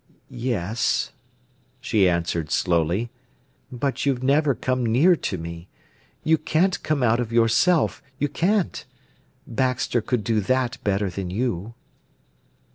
"Yes," she answered slowly; "but you've never come near to me. You can't come out of yourself, you can't. Baxter could do that better than you."